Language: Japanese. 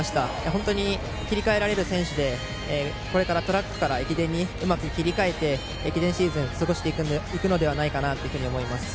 本当に切り替えられる選手でこれからトラックから駅伝にうまく切り替えて駅伝シーズンを過ごしていくだろうと思います。